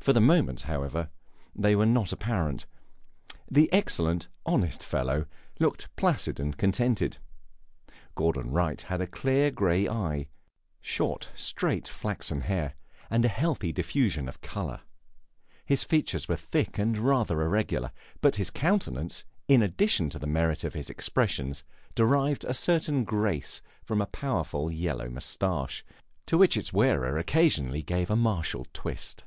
For the moment, however, they were not apparent; the excellent, honest fellow looked placid and contented. Gordon Wright had a clear gray eye, short, straight, flaxen hair, and a healthy diffusion of color. His features were thick and rather irregular; but his countenance in addition to the merit of its expression derived a certain grace from a powerful yellow moustache, to which its wearer occasionally gave a martial twist.